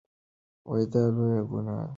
دا لویه ګناه ده.